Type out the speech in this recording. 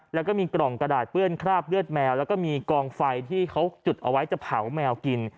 แล้วก็มีกล่องกระดาษเปื้อนคราบเลือดแมวแล้วก็มีกองไฟที่เขาจุดเอาไว้จะเผาแมวกิน